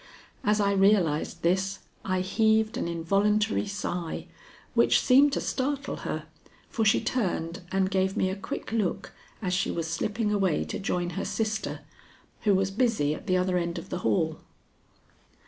As I realized this I heaved an involuntary sigh, which seemed to startle her, for she turned and gave me a quick look as she was slipping away to join her sister, who was busy at the other end of the hall.